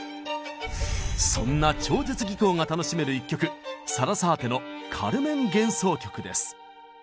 そんな超絶技巧が楽しめる一曲サラサーテの「カルメン幻想曲」です。